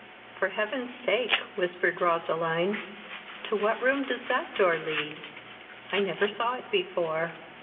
"For heaven's sake, (whispered Roseline,) to what room does that door lead? I never saw it before."